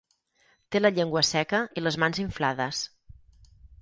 Té la llengua seca i les mans inflades.